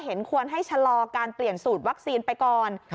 เห็นควรให้ชะลอการเปลี่ยนสูตรวัคซีนไปก่อน